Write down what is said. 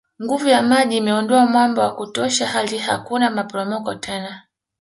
Nguvu ya maji imeondoa mwamba wa kutosha hali hakuna maporomoko tena